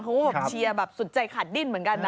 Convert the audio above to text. เขาบอกเชียร์แบบสุดใจขาดดิ้นเหมือนกันนะ